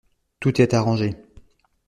Tout est arrangé.